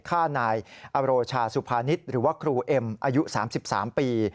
ฆ่านายอโรชาสุภานิษฐ์หรือว่าครูเอ็มอายุ๓๓ปี